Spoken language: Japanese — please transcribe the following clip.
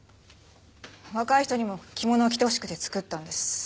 若い人にも着物を着てほしくて作ったんです。